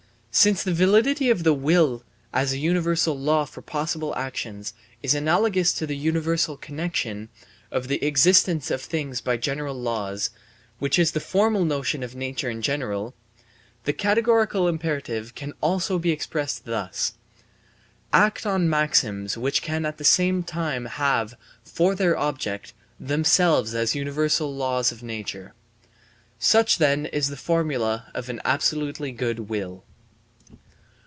Since the validity of the will as a universal law for possible actions is analogous to the universal connexion of the existence of things by general laws, which is the formal notion of nature in general, the categorical imperative can also be expressed thus: Act on maxims which can at the same time have for their object themselves as universal laws of nature. Such then is the formula of an absolutely good will.